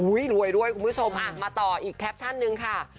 รวยด้วยคุณผู้ชมมาต่ออีกแคปชั่นนึงค่ะ